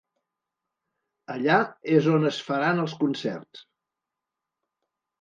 Allà és on es faran els concerts.